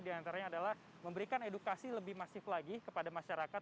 diantaranya adalah memberikan edukasi lebih masif lagi kepada masyarakat